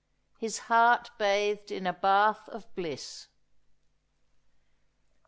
' HIS HEETE BATHED IN A BATH OP BLISSE.'